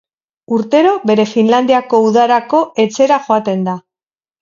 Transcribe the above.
Urtero bere Finlandiako udarako etxera joaten da.